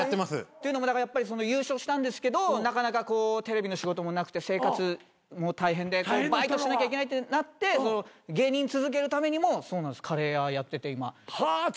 っていうのもやっぱり優勝したんですけどなかなかテレビの仕事もなくて生活大変でバイトしなきゃいけないってなって芸人続けるためにもカレー屋やってて今。